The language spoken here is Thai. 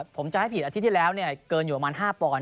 ผมจำให้ผิดอาทิตย์ที่แล้วเกินอยู่ประมาณ๕ปอนด